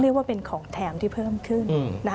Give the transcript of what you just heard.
เรียกว่าเป็นของแถมที่เพิ่มขึ้น